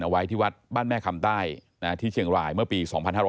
ไว้ที่วัดบ้านแม่คำใต้ที่เชียงรายเมื่อปี๒๕๕๙